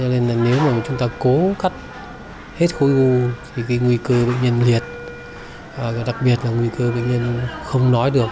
nên là nếu mà chúng ta cố cắt hết khối u thì cái nguy cơ bệnh nhân liệt đặc biệt là nguy cơ bệnh nhân không nói được